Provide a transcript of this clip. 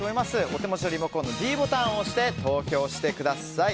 お手持ちのリモコンのｄボタンを押して投票してください。